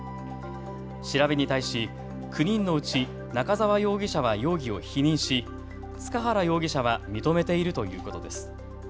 調べに対し９人のうち中澤容疑者は容疑を否認し塚原容疑者は認めているということです。